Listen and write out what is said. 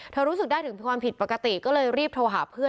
รู้สึกได้ถึงความผิดปกติก็เลยรีบโทรหาเพื่อน